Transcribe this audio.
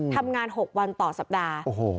ทำงาน๖วันต่อสัปดาห์